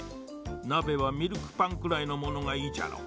なべはミルクパンくらいのものがいいじゃろう。